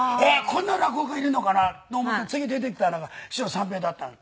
こんな落語家いるのかなと思って次出てきたのが師匠の三平だった。